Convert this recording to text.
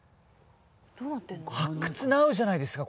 発掘なうじゃないですか